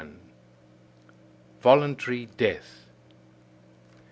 XXI. VOLUNTARY DEATH.